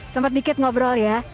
sempat sedikit ngobrol ya